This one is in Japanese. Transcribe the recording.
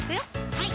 はい